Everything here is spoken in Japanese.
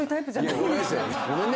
ごめんね。